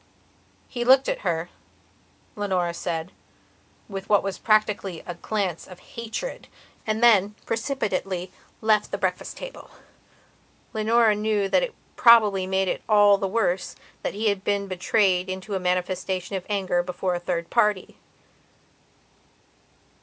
He looked at her, Leonora said, with what was practically a glance of hatred and then, precipitately, he left the breakfast table. Leonora knew that it probably made it all the worse that he had been betrayed into a manifestation of anger before a third party.